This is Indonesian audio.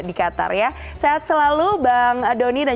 di qatar ya sehat selalu bang doni dan